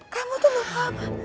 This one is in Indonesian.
kamu itu lupa apa